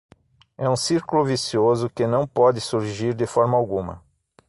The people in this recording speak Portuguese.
É um círculo vicioso que não pode surgir de forma alguma.